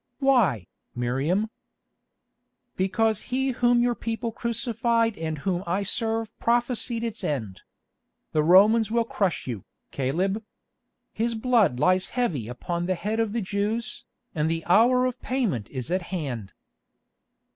"Why, Miriam?" "Because He Whom your people crucified and Whom I serve prophesied its end. The Romans will crush you, Caleb. His blood lies heavy upon the head of the Jews, and the hour of payment is at hand."